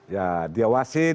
ya dia wasit